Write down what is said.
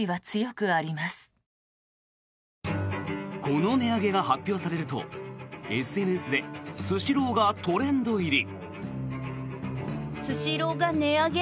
この値上げが発表されるとＳＮＳでスシローがトレンド入り。